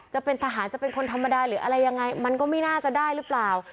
จะเป็นทหารจะเป็นคนธรรมดาหรืออะไรยังไงมันก็ไม่น่าจะได้หรือเปล่า